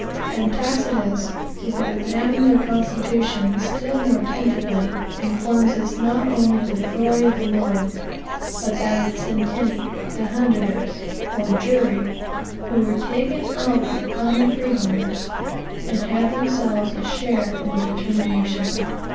And Tacitus, who had examined their constitution still more attentively, informs us not only of the authority of the lords, but that of the centeni, the hundreders, or jury, who were taken out of the common freeholders, and had themselves a share in the determination.